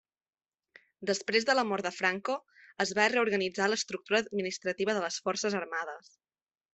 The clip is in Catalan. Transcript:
Després de la mort de Franco es va reorganitzar l'estructura administrativa de les Forces Armades.